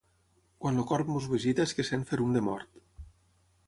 Quan el corb ens visita és que sent ferum de mort.